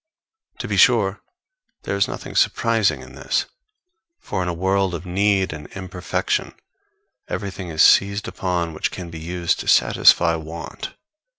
To be sure, there is nothing surprising in this, for in a world of need and imperfection everything is seized upon which can be used to satisfy want.